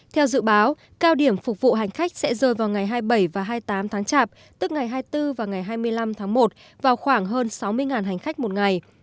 theo dự báo cao điểm phục vụ hành khách sẽ rơi vào ngày hai mươi bảy và hai mươi tám tháng chạp tức ngày hai mươi bốn và ngày hai mươi năm tháng một vào khoảng hơn sáu mươi hành khách một ngày